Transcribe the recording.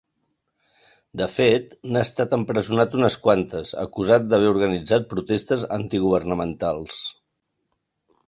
De fet, n’ha estat empresonat unes quantes acusat d’haver organitzat protestes antigovernamentals.